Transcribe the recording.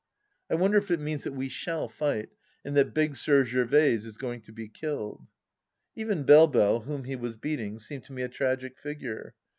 I wonder if it means that we shall fight and that Big Sir Gervaise is going to be kUled. Even BeUe Belle, whom he was beating, seemed to me a tragic figure.